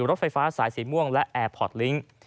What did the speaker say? รถไฟฟ้าสายสีม่วงและแอร์พอร์ตลิงค์